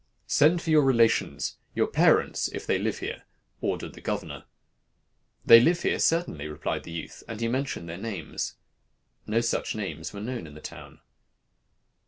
"'Send for your relations your parents, if they live here,' ordered the governor. "'They live here, certainly,' replied the youth; and he mentioned their names. No such names were known in the town.